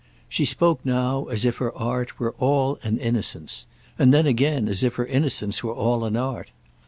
She spoke now as if her art were all an innocence, and then again as if her innocence were all an art.